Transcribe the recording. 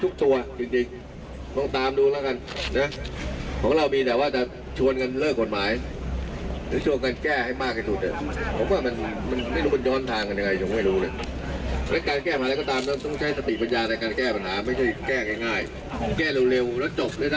เกิดอีกไหมวันหน้าก็เกิดอีกนั่นแหละ